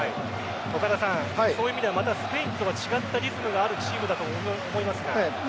岡田さん、そういう意味ではスペインとは違ったリズムがあるチームだと思いますが。